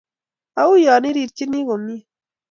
auyo irirchini komie